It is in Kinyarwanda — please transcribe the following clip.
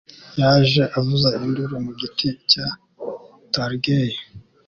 Yaje avuza induru mu giti cya tulgey